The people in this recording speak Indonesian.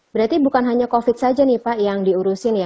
berarti bukan hanya covid saja nih pak yang diurusin ya